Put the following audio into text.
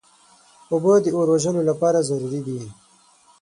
اوبه د اور وژلو لپاره ضروري دي.